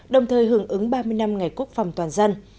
đồng thời hưởng ứng ba mươi năm ngày quốc phòng toàn dân